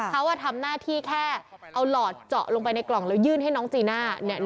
เขาทำหน้าที่แค่เอาหลอดเจาะลงไปในกล่องแล้วยื่นให้น้องจีน่า